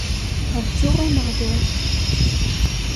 Rǧu Ameɣlal!